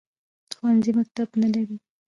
ښوونیز مکتب نه لري